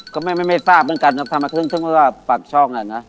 ก็ไม่ทราบเหมือนกันทำมาชื่อปากช่องน่ะนะ